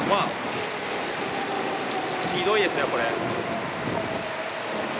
ひどいですね、これ。